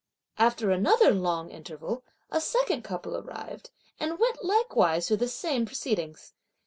After another long interval, a second couple arrived, and went likewise through the same proceedings.